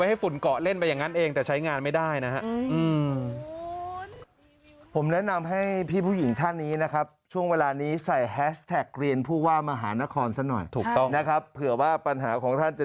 เหมือนมีไว้ให้ฝุ่นเกาะเล่นไปอย่างนั้นเอง